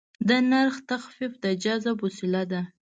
د نرخ تخفیف د جذب وسیله ده.